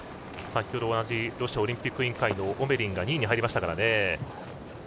先ほどはロシアオリンピック委員会のオメリンが２位に入りましたからね。